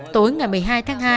tối ngày một mươi hai tháng hai